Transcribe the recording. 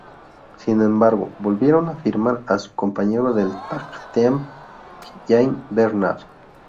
Sin embargo, volvieron a firmar a su compañero del tag team, Giant Bernard.